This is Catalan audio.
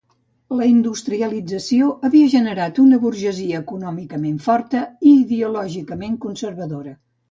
La industrialització havia generat una burgesia econòmicament forta i ideològicament conservadora.